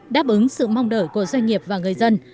đáp ứng sự mong đợi của doanh nghiệp và người dân